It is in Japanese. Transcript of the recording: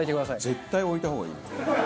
絶対置いた方がいいよ。